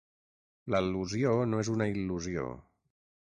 L'al·lusió no és una il·lusió.